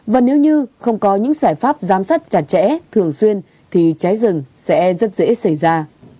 và nếu như không có những giải pháp giám sát chặt chẽ thường xuyên thì cháy rừng sẽ rất dễ xảy ra